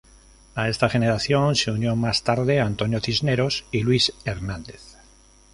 A esta generación se unió más tarde Antonio Cisneros y Luis Hernández.